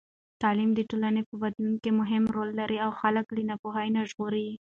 تعلیم د ټولنې په بدلون کې مهم رول لري او خلک له ناپوهۍ ژغوري.